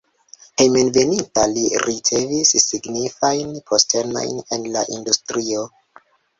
Hejmenveninta li ricevis signifajn postenojn en la industrio.